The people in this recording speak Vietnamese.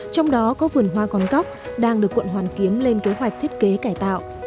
trong đó có vườn hoa còn cóc đang được quận hoàn kiếm lên kế hoạch thiết kế cải tạo